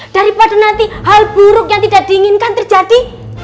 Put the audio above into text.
daripada nanti hal buruk yang tidak diinginkan terjadi